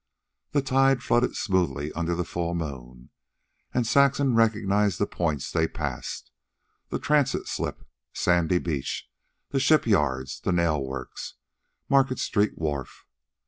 The tide flooded smoothly under the full moon, and Saxon recognized the points they passed the Transit slip, Sandy Beach, the shipyards, the nail works, Market street wharf.